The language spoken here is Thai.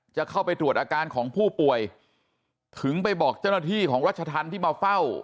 จะเข้าไปตรวจอาการของผู้ป่วยถึงไปบอกเจ้าหน้าที่ของรัชธรรมที่มาเฝ้า